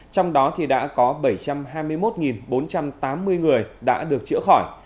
trong đó thì đã có bảy trăm hai mươi một bốn trăm tám mươi người đã được chữa khỏi